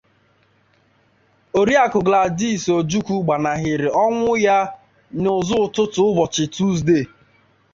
Oriakụ Gladys Ojukwu gbanahịrị ọnwụ ya n'ọnụ ụtụtụ ụbọchị Tuzdee